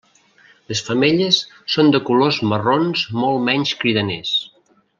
Les femelles són de colors marrons molt menys cridaners.